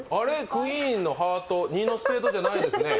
クイーンのハート、２のスペードじゃないですね